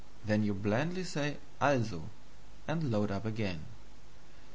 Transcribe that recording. Then you blandly say ALSO, and load up again.